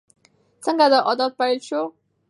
څنګه دا عادت پیل شو؟